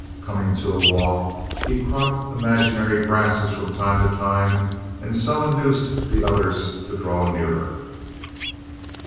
Coming to a walk he cropped imaginary grasses from time to time and so induced the others to draw nearer.